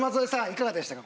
いかがでしたか？